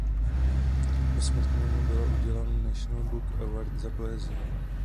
Posmrtně mu byla udělena National Book Award za poezii.